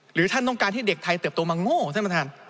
หรือท่านต้องการให้เด็กไทยเติบโตมาโง่ท่านประธาน